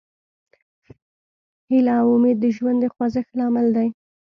هیله او امید د ژوند د خوځښت لامل دی.